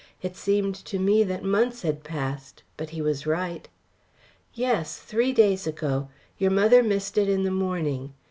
It seemed to me that months had passed. But he was right. "Yes, three days ago. Your mother missed it in the morning.